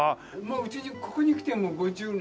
うちここに来てもう５０年。